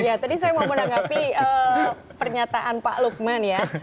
ya tadi saya mau menanggapi pernyataan pak lukman ya